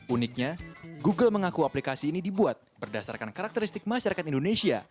uniknya google mengaku aplikasi ini dibuat berdasarkan karakteristik masyarakat indonesia